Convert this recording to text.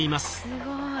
すごい。